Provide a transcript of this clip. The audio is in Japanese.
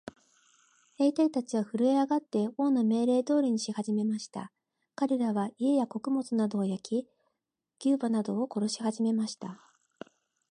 兵隊たちはふるえ上って、王の命令通りにしはじめました。かれらは、家や穀物などを焼き、牛馬などを殺しはじめました。